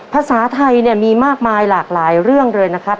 ภาษาไทยเนี่ยมีมากมายหลากหลายเรื่องเลยนะครับ